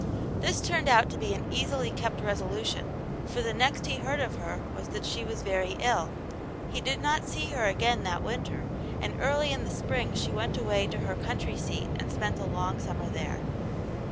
This turned out to be an easily kept resolution, for the next he heard of her was that she was very ill. He did not see her again that winter, and early in the spring she went away to her country seat and spent a long summer there.